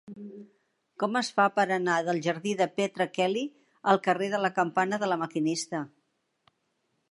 Com es fa per anar del jardí de Petra Kelly al carrer de la Campana de La Maquinista?